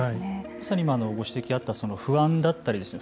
まさに今ご指摘があった不安だったりですね